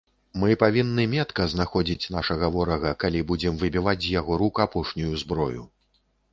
Мы павінны метка знаходзіць нашага ворага, калі будзем выбіваць з яго рук апошнюю зброю.